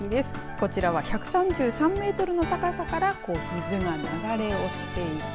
こちらは１３３メートルの高さから水が流れ落ちている。